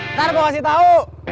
ntar gue kasih tau